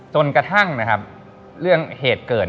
จนกระทั่งเรื่องเหตุเกิด